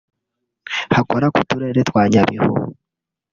hakora ku turere twa Nyabihu